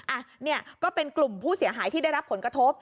อ่ะเนี่ยก็เป็นกลุ่มผู้เสียหายที่ได้รับผลกระทบ